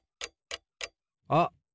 あっ！